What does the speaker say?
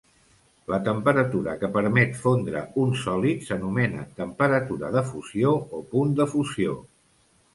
La temperatura que permet fondre un sòlid s'anomena temperatura de fusió o punt de fusió.